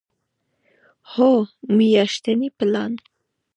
هو، میاشتنی پلان